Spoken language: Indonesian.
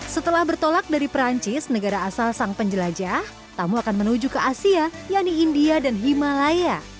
setelah bertolak dari perancis negara asal sang penjelajah tamu akan menuju ke asia yaitu india dan himalaya